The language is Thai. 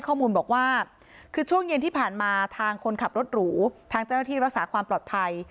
ข้อมูลบอกว่าคือช่วงเย็นที่ผ่านมาทางคนขับรถหรูทางเจ้าหน้าที่รักษาความปลอดภัย